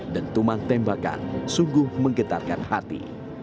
dan tumang tembakan sungguh menggetarkan hati